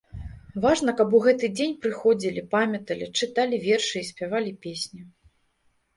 Важна, каб у гэты дзень прыходзілі, памяталі, чыталі вершы і спявалі песні.